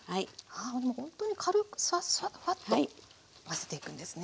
ほんとに軽くサッサッフワッと混ぜていくんですね。